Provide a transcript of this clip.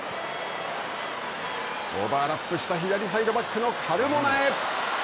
オーバーラップした左サイドバックのカルモナへ。